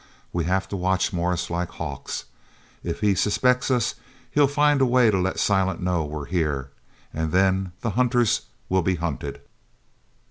We have to watch Morris like hawks. If he suspects us he'll find a way to let Silent know we're here and then the hunters will be hunted."